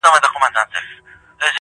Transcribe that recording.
ټول لګښت دي درکومه نه وېرېږم.!